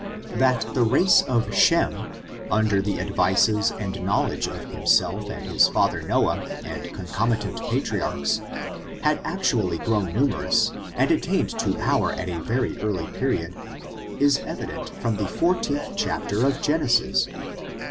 That the race of Shem^ under the advices and knowledge of himself and his father Noah, and con comitant patriarchs, had actually grown niunerous, and attained to power at a very early period, is evi dent from the xivth chapter of Genesis.